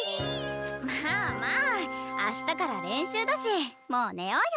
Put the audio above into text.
まあまあ明日から練習だしもう寝ようよ。